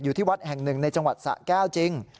อยู่ที่วัดแห่งหนึ่งในจังหวัดสะแก้วจริง